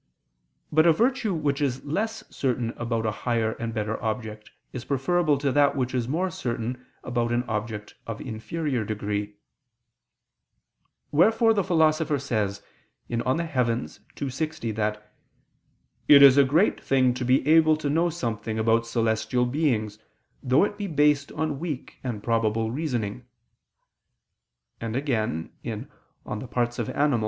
But a virtue which is less certain about a higher and better object, is preferable to that which is more certain about an object of inferior degree. Wherefore the Philosopher says (De Coelo ii, text. 60) that "it is a great thing to be able to know something about celestial beings, though it be based on weak and probable reasoning"; and again (De Part. Animal.